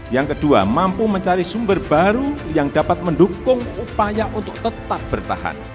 yang kedua mampu mencari sumber baru yang dapat mendukung upaya untuk tetap bertahan